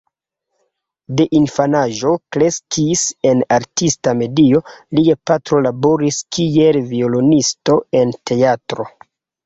De infanaĝo kreskis en artista medio: lia patro laboris kiel violonisto en teatro.